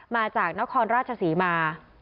มาจากนครราชศรีมา